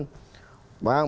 mereka juga turun